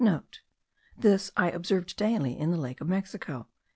*(* This I observed daily in the Lake of Mexico.)